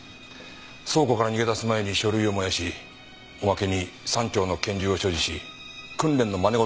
倉庫から逃げ出す前に書類を燃やしおまけに３丁の拳銃を所持し訓練の真似事までしていた。